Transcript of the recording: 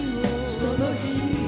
「その日を」